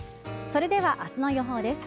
それでは、明日の予報です。